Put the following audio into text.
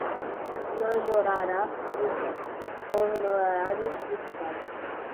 majorará os honorários fixados